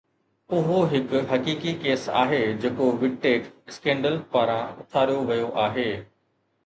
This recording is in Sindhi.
اهو هڪ حقيقي ڪيس آهي جيڪو Vidtech اسڪينڊل پاران اٿاريو ويو آهي